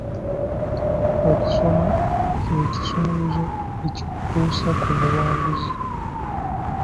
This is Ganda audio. Okusoma kye kisumuluzo ekikutuusa ku buwanguzi.